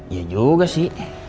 ya juga si